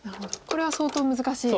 これは相当難しい。